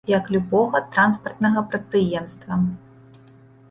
Як любога транспартнага прадпрыемства.